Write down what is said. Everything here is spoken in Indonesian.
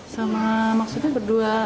sama maksudnya berdua